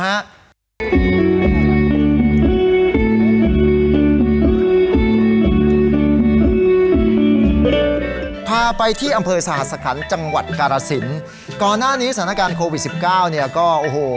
ดำระเน้นผ้าไปที่อเฟลสหศครรณจังหวัดรัสสินก่อนหน้านี้สถานการณ์โครวิดสิบเก้าก็โอ้โห